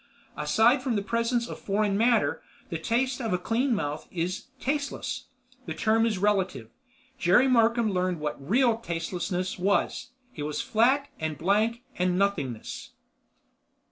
Aside from the presence of foreign matter, the taste of a clean mouth is—tasteless. The term is relative. Jerry Markham learned what real tastelessness was. It was flat and blank and—nothingness.